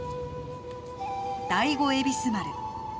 第五恵比寿丸。